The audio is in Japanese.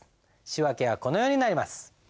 仕訳はこのようになります。